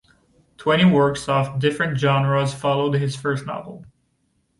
Twenty works of different genres followed this first novel.